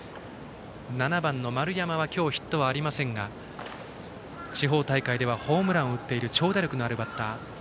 ７番、丸山は今日ヒットはありませんが地方大会ではホームランを打っている長打力のあるバッター。